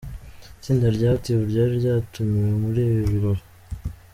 Itsinda rya Active ryari ryatumiwe muri ibi birori.